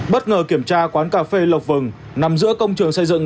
bất ngờ kiểm tra quán cà phê lộc vừng nằm giữa công trường xây dựng